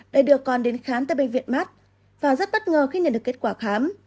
đã đưa con đến khám tại bệnh viện mắt và rất bất ngờ khi nhận được kết quả khám